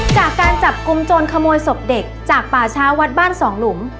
จากการจับกลุ่มโจรขโมยศพเด็กจากป่าช้าวัดบ้านสองหลุม